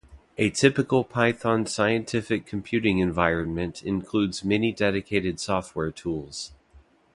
A typical Python Scientific Computing Environment includes many dedicated software tools.